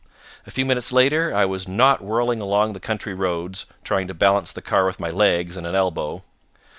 A few minutes later I was not whirling along the country roads, trying to balance the car with my legs and an elbow.